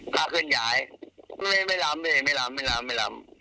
ถ้าเคลื่อนย้ายไม่รัมไม่รัมไม่รัมไม่รัม